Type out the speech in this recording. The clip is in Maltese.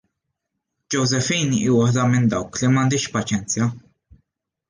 Josephine hi waħda minn dawk li m'għandhiex paċenzja!